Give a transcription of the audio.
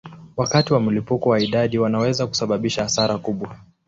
Wakati wa mlipuko wa idadi wanaweza kusababisha hasara kubwa.